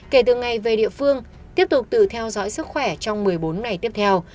kể từ ngày về địa phương tiếp tục tự theo dõi sức khỏe trong một mươi bốn ngày tiếp theo